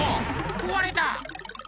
こわれた！